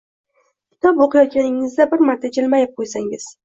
kitob o’qiyotganingizda bir marta jilmayib qo’ysangiz